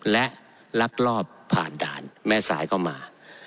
และลักลอบผ่านด่านแม่สายเข้ามา